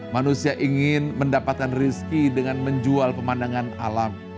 manusia ingin mendapatkan rizki dengan menjual pemandangan alam